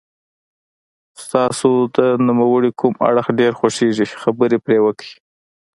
ستاسو د نوموړي کوم اړخ ډېر خوښیږي خبرې پرې وکړئ.